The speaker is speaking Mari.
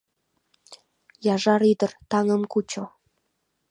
Яжар ӱдыр, таҥым кучо